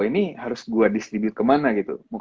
ini harus gue distribute kemana gitu